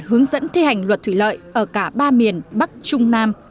hướng dẫn thi hành luật thủy lợi ở cả ba miền bắc trung nam